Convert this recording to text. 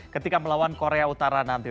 ketika melawan korea utara nanti